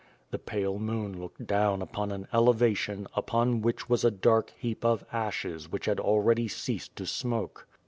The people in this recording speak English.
The pale moon looked down upon an elevation, upon which was a dark heap of ashes which had already ceased to smoke.